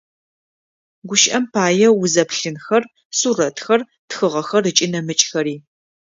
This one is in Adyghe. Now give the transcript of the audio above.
Гущыӏэм пае, узэплъынхэр, сурэтхэр, тхыгъэхэр ыкӏи нэмыкӏхэри.